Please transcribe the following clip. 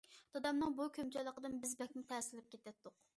دادامنىڭ بۇ كۆيۈمچانلىقىدىن بىز بەكمۇ تەسىرلىنىپ كېتەتتۇق.